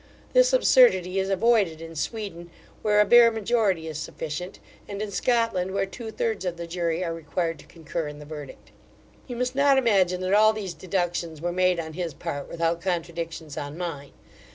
This absurdity is avoided in Sweden, where a bare majority is sufficient; and in Scotland, where two thirds of the jury are required to concur in the verdict. You must not imagine that all these deductions were made on his part, without contradictions on mine.